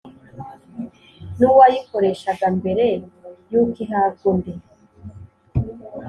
n uwayikoreshaga mbere y uko ihabwa undi